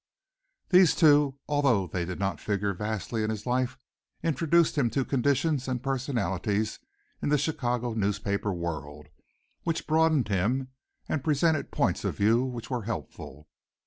These two, although they did not figure vastly in his life, introduced him to conditions and personalities in the Chicago newspaper world which broadened him and presented points of view which were helpful.